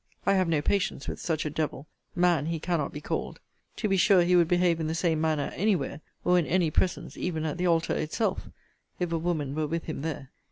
I have no patience with such a devil man he cannot be called. To be sure he would behave in the same manner any where, or in any presence, even at the altar itself, if a woman were with him there.